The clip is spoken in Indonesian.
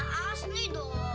ya asli doh